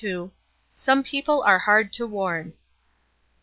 "SOME PEOPLE ARE HARD TO WARN."